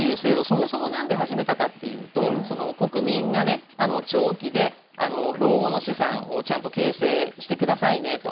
そもそもなんで始めたかっていうと国民が、長期で老後の資産をちゃんと形成してくださいねと。